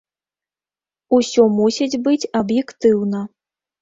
Усё мусіць быць аб'ектыўна.